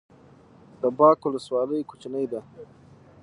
د باک ولسوالۍ کوچنۍ ده